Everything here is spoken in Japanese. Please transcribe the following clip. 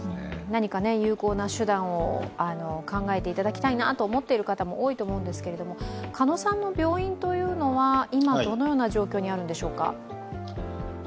何か有効な手段を考えていただきたいなと思っている方も多いと思うんですけれども、鹿野さんの病院は今どのような状況にあるんでしょうか？